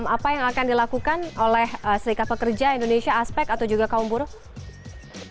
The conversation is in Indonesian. apa yang akan dilakukan oleh serikat pekerja indonesia aspek atau juga kaum buruh